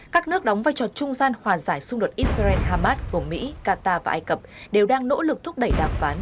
các nước đóng vai trò trung gian hòa giải xung đột israel hamas gồm mỹ qatar và ai cập đều đang nỗ lực thúc đẩy đàm phán